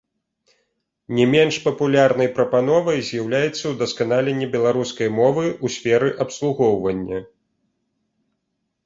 Не менш папулярнай прапановай з'яўляецца ўдасканаленне беларускай мовы ў сферы абслугоўвання.